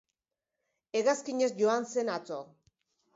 Hegazkinez joan zen atzo.